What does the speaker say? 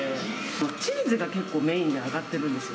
チーズが結構メインで上がってるんですよ。